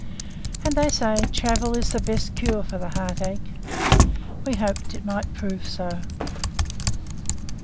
And, they say, travel is the best cure for the heart ache. We hoped it might prove so.